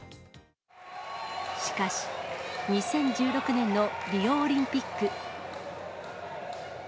しかし、２０１６年のリオオリンピック。